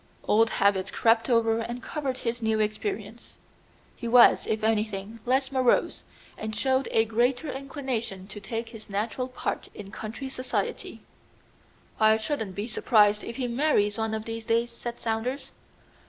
Old habits crept over and covered his new experience. He was, if anything, less morose, and showed a greater inclination to take his natural part in country society. "I shouldn't be surprised if he marries one of these days," said Saunders.